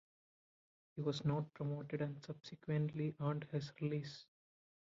He was not promoted and subsequently earned his release.